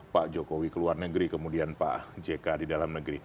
pak jokowi ke luar negeri kemudian pak jk di dalam negeri